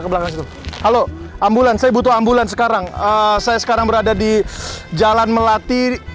ke belakang halo ambulansi butuh ambulansi sekarang saya sekarang berada di jalan melati